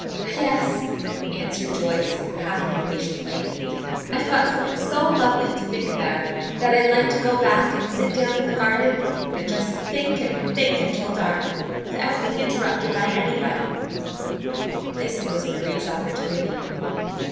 "Yes," answered Joyce, half impatiently; "I've got something so lovely to think about, that I'd like to go back and sit down in the garden and just think and think until dark, without being interrupted by anybody." This was Marie's opportunity.